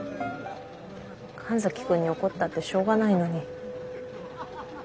神崎君に怒ったってしょうがないのに。